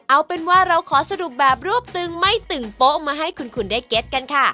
เอาเป็นว่าเราขอสรุปแบบรวบตึงไม่ตึงโป๊ะมาให้คุณได้เก็ตกันค่ะ